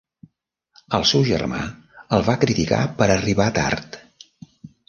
El seu germà el va criticar per arribar tard.